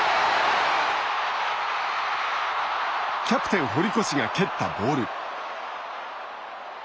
キャプテン堀越が蹴ったボール。